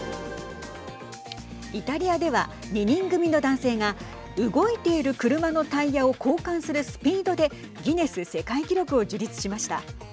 イタリアでは２人組の男性が動いている車のタイヤを交換するスピードでギネス世界記録を樹立しました。